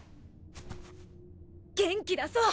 元気だそう！